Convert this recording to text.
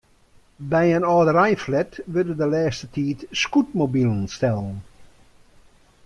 By in âldereinflat wurde de lêste tiid scootmobilen stellen.